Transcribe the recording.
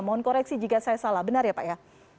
mohon koreksi jika saya salah benar ya pak ya